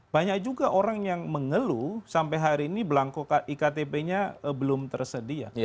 banyak juga orang yang mengeluh sampai hari ini belangko iktp nya belum tersedia